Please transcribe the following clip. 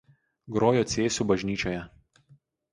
Grojo Cėsių bažnyčioje.